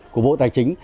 của bộ tài chính